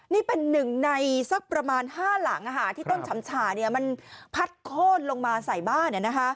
นี่เป็นหนึ่งในสักประมาณ๕หลังที่ต้นฉำฉ่ามันพัดโค้นลงมาใส่บ้าน